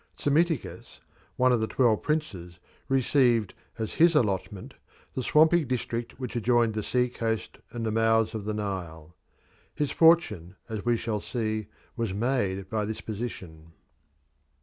Psammiticus, one of the twelve princes, received as his allotment the swampy district which adjoined the sea coast and the mouths of the Nile. His fortune, as we shall see, was made by this position.